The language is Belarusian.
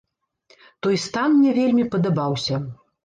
Той стан мне вельмі падабаўся.